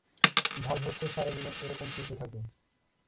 ভয় হচ্ছে, সারাজীবন এরকম চলতেই থাকবে।